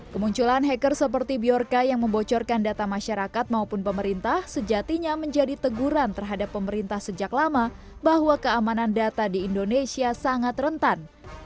kemunculan hacker seperti bjorka yang membocorkan data masyarakat maupun pemerintah sejatinya menjadi teguran terhadap pemerintah sejak lama bahwa keamanan data di indonesia sangat rentan